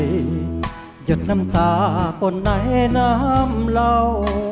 หยัดน้ำตาป่นในน้ำเหล่า